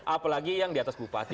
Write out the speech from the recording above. apalagi yang di atas bupati